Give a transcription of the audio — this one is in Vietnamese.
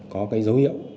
có cái dấu hiệu